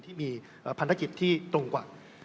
เกี่ยวของประเภทที่มีพันธกิจที่ตรงกว่า